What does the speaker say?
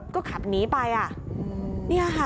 ก็ขับหนีไปอ่ะค่ะ